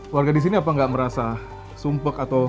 warga di sini apa nggak merasa sumpek atau